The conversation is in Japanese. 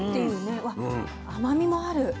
うわ甘みもある。